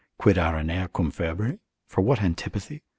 Quid aranea cum febre? For what antipathy?